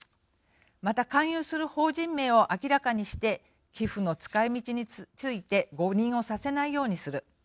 また、勧誘する法人名を明らかにして寄付の使い道について誤認をさせないようにする。